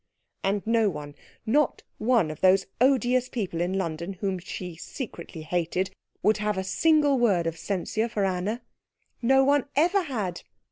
And no one not one of those odious people in London whom she secretly hated would have a single word of censure for Anna. No one ever had.